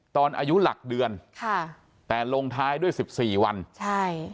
ตอนอายุหลักเดือนค่ะแต่ลงท้ายด้วยสิบสี่วันใช่